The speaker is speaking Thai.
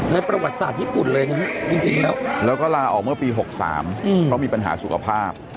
ประวัติศาสตร์ญี่ปุ่นเลยนะฮะจริงแล้วแล้วก็ลาออกเมื่อปี๖๓เพราะมีปัญหาสุขภาพ